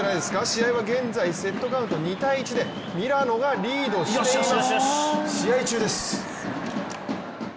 試合は現在、セットカウント２−１でミラノがリードしています。